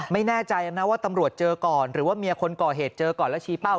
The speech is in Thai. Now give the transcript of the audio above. ไม่แน่ใจนะว่าตำรวจเจอก่อนหรือว่าเมียคนก่อเหตุเจอก่อนแล้วชี้เป้า